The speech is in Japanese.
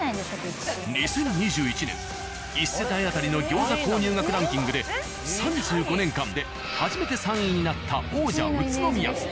２０２１年１世帯当たりの餃子購入額ランキングで３５年間で初めて３位になった王者宇都宮。